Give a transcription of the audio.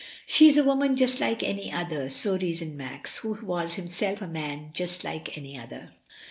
She is a woman just like any other." So reasoned Max, who was himself a man just like any other.